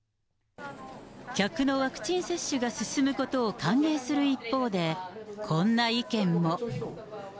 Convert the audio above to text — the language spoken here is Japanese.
客のワクチン接種が進むことを歓迎する一方で、こんな意見も。